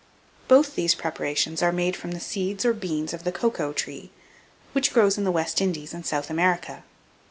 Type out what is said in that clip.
Both these preparations are made from the seeds or beans of the cacao tree, which grows in the West Indies and South America.